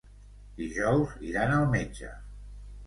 Dijous iran al metge.